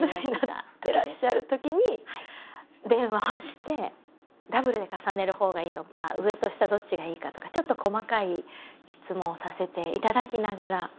缶詰めになってらっしゃるときに電話をしてダブルで重ねるほうがいいのか上と下どっちがいいかとかちょっと細かい質問をさせていただきながら。